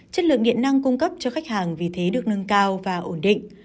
chất lượng điện năng cung cấp cho khách hàng vì thế được nâng cao và ổn định